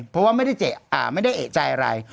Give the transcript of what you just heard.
เพราะว่าไม่ได้เอกใจอะไร